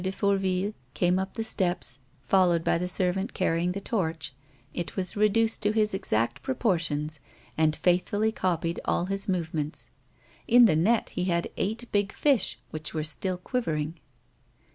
de Fourville came up the steps, followed by the servant canying the torch, it was reduced to his exact proportions, and faithfully' copied all his movements. In the net he had eight big fish which were still quivering.